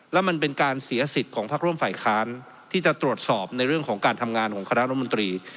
แล้วมันเป็นการเสียสิทธิ์ของพักร่วมฝ่ายค้านที่จะตรวจสอบในเรื่องของการทำงานของคณะรัฐมนตรี